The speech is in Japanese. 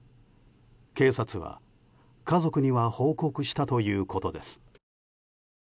警察は、家族には報告したということです。